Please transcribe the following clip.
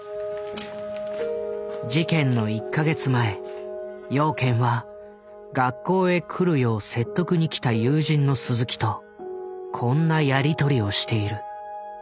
事件の１か月前養賢は学校へ来るよう説得に来た友人の鈴木とこんなやり取りをしている。